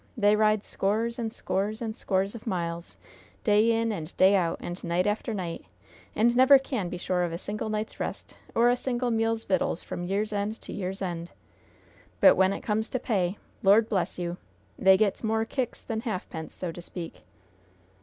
they ride scores and scores and scores of miles, day in and day out, and night after night, and never can be sure of a single night's rest or a single meal's vittals from year's end to year's end! But when it comes to pay Lord bless you! they gets more kicks than halfpence, so to speak!"